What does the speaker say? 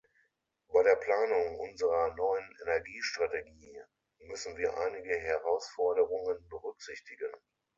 Bei der Planung unserer neuen Energiestrategie müssen wir einige Herausforderungen berücksichtigen.